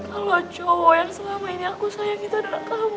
kalau cowok yang selama ini aku sayang itu adalah kamu